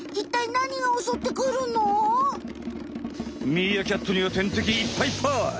ミーアキャットには天敵いっぱいっぱい！